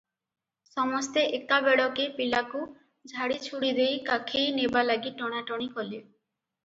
ସମସ୍ତେ ଏକାବେଳକେ ପିଲାକୁ ଝାଡ଼ିଝୁଡ଼ି ଦେଇ କାଖେଇ ନେବା ଲାଗି ଟଣାଟଣି କଲେ ।